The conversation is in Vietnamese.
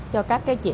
cho các cái